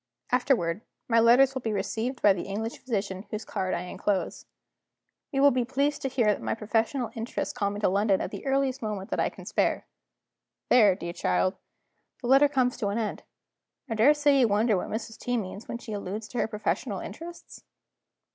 Afterward, my letters will be received by the English physician whose card I inclose. You will be pleased to hear that my professional interests call me to London at the earliest moment that I can spare.' There, dear child, the letter comes to an end. I daresay you wonder what Mrs. T. means, when she alludes to her professional interests?"